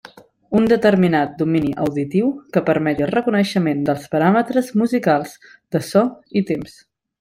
Un determinat domini auditiu que permeti el reconeixement dels paràmetres musicals de so i temps.